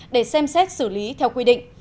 để xem xét xử lý theo quy định